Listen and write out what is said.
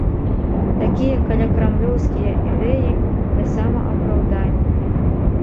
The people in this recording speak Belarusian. Такія калякрамлёўскія ідэі для самаапраўдання.